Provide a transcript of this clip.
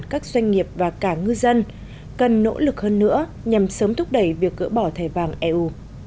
các doanh nghiệp và cả ngư dân cần nỗ lực hơn nữa nhằm sớm thúc đẩy việc gỡ bỏ thẻ vàng eu